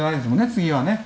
次はね。